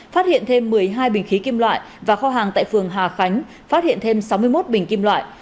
phát hiện thêm một mươi hai bình khí kim loại và kho hàng tại phường hà khánh phát hiện thêm sáu mươi một bình kim loại